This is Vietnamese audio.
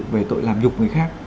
về tội làm nhục người khác